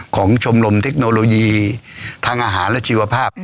ชมรมเทคโนโลยีทางอาหารและชีวภาพ